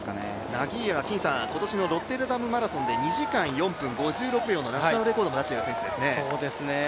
ナギーエは、今年のロッテルダムマラソンで２時間４分５６秒のナショナルレコードも出している選手ですね。